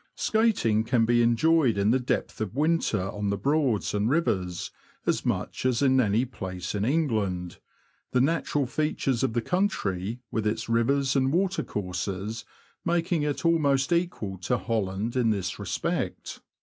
Skating can be enjoyed in the depth of winter on the Broads and rivers, as much as in any place in England, the natural features of the country, with its rivers and water courses, making it almost equal to Holland in this respect.